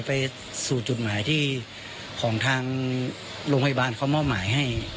ไปสู่จุดหมายที่ของทางโรงพยาบาลเขามอบหมายให้